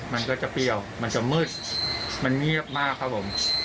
มันก็จะเปรี้ยวมันจะมืดมันเงียบมากครับผม